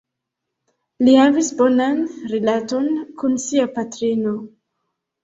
Li havis bonan rilaton kun sia patrino.